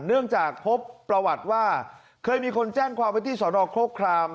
เนื่องจากพบประวัติว่าเคยมีคนแจ้งความไว้ที่สนโครคราม